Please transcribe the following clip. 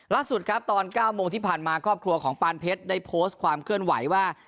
ล่าสุดครับตอน๙โมงที่ผ่านมาครอบครัวของปานเพชรได้โพสต์ความเคลื่อนไหวว่า